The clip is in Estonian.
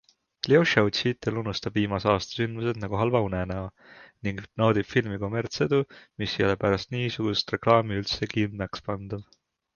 Ljoša Utšitel unustab viimase aasta sündmused nagu halva unenäo ning naudib filmi kommertsedu, mis ei ole pärast niisugust reklaami üldse imekspandav!